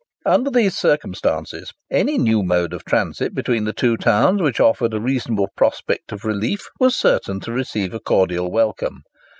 Under these circumstances, any new mode of transit between the two towns which offered a reasonable prospect of relief was certain to receive a cordial welcome.